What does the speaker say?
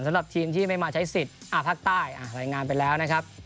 สำหรับทีมที่ไม่มาใช้สิทธิ์ภาคใต้รายงานไปแล้วนะครับ